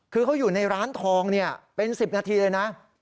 คือเขาอยู่ในร้านทองเป็น๑๐นาทีเลยนะ